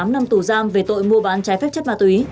một mươi tám năm tù giam về tội mua bán trái phép chất ma túy